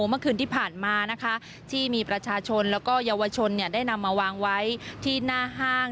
เมื่อคืนที่ผ่านมานะคะที่มีประชาชนแล้วก็เยาวชนได้นำมาวางไว้ที่หน้าห้าง